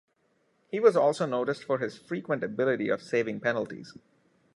He was also noticed for his frequent ability of saving penalties.